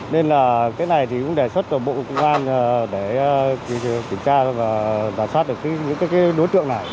nên là cái này thì cũng đề xuất của bộ công an để kiểm tra và giả soát được những đối tượng này